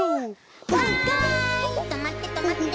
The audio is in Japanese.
はいとまってとまって。